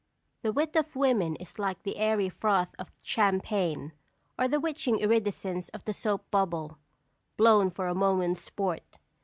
The wit of women is like the airy froth of champagne, or the witching iridescence of the soap bubble, blown for a moment's sport.